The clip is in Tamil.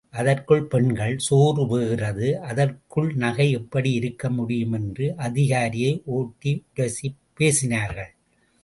அதற்குள் பெண்கள், சோறு வேகிறது, அதற்குள் நகை எப்படி இருக்க முடியும் என்று அதிகாரியை ஒட்டி உரசிப் பேசினார்கள்.